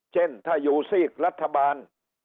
เช่นถ้าอยู่ซีกรัฐบาล